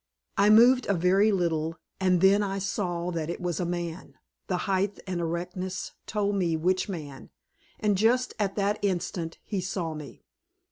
I moved a very little, and then I saw that it was a man the height and erectness told me which man. And just at that instant he saw me.